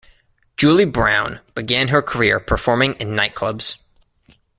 Julie Brown began her career performing in nightclubs.